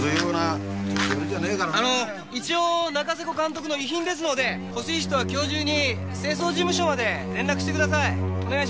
一応仲瀬古監督の遺品ですので欲しい人は今日中に清掃事務所まで連絡してください。